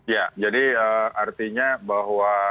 ya jadi artinya bahwa